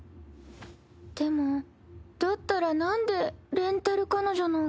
でもだったらなんでレンタル彼女なんか。